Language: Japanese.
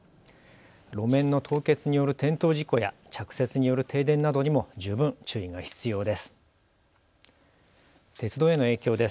路面の凍結による転倒事故や着雪による停電などにも十分、注意が必要です。